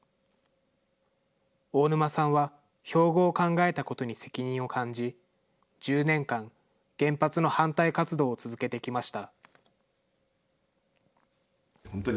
大沼さんは標語を考えたことに責任を感じ、１０年間、原発の反対活動を続けてきました。